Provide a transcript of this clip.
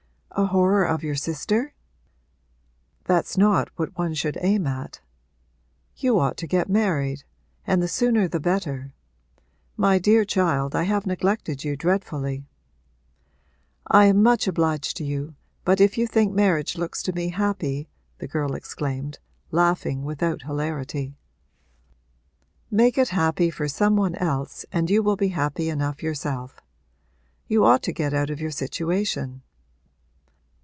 'A horror of your sister? That's not what one should aim at. You ought to get married and the sooner the better. My dear child, I have neglected you dreadfully.' 'I am much obliged to you, but if you think marriage looks to me happy!' the girl exclaimed, laughing without hilarity. 'Make it happy for some one else and you will be happy enough yourself. You ought to get out of your situation.'